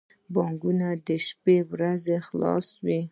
بانکونه د شنبی په ورځ خلاص وی